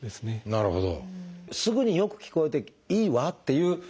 なるほど。